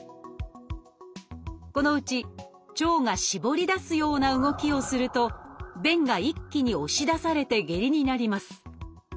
このうち腸が絞り出すような動きをすると便が一気に押し出されて下痢になります。